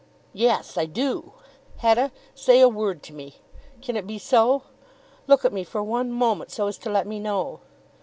"Yes, I do. Hetta, say a word to me. Can it be so? Look at me for one moment so as to let me know."